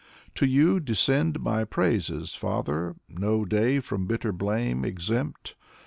To you descend my praises. Father, No day from bitter blame exempt.